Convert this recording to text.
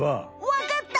わかった！